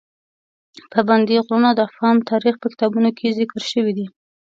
پابندی غرونه د افغان تاریخ په کتابونو کې ذکر شوی دي.